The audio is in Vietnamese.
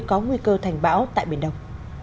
có nguy cơ thành bão tại biển đồng